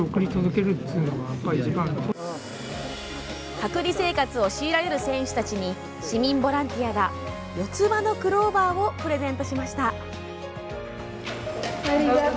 隔離生活を強いられる選手たちに市民ボランティアが四つ葉のクローバーをプレゼントしました。